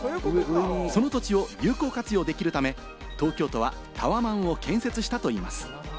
その土地を有効活用できるため、東京都はタワマンを建設したといいます。